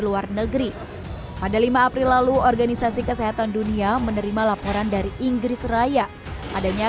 luar negeri pada lima april lalu organisasi kesehatan dunia menerima laporan dari inggris raya adanya